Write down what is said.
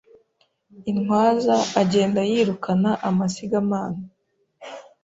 Intwaza agenda yirukana amasigamana,